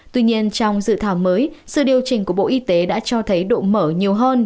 tuy nhiên trong dự thảo mới sự điều chỉnh của bộ y tế đã cho thấy độ mở nhiều hơn